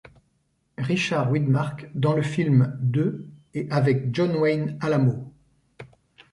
Richard Widmark dans le film de et avec John Wayne Alamo.